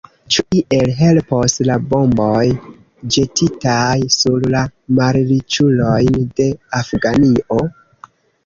Ĉu iel helpos la bomboj ĵetitaj sur la malriĉulojn de Afganio?